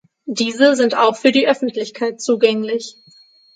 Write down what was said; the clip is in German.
Diese sind auch für die Öffentlichkeit zugänglich.